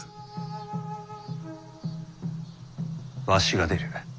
わしが出る。